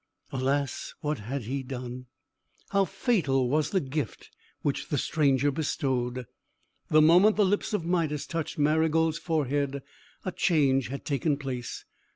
Alas, what had he done? How fatal was the gift which the stranger bestowed! The moment the lips of Midas touched Marygold's forehead, a change had taken place.